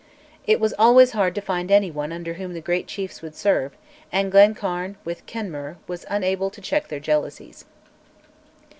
It was always hard to find any one under whom the great chiefs would serve, and Glencairn, with Kenmure, was unable to check their jealousies.